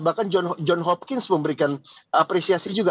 bahkan john hopkins memberikan apresiasi juga